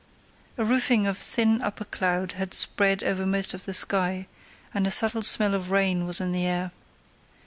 A roofing of thin upper cloud had spread over most of the sky, and a subtle smell of rain was in the air.